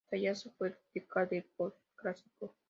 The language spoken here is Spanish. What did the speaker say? Tayasal fue el Tikal del posclásico.